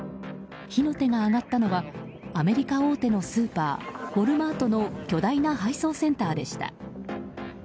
火の手が上がったのはアメリカ大手のスーパーウォルマートの巨大な配送センターでした。